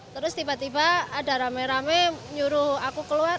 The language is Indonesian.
terus tiba tiba ada rame rame nyuruh aku keluar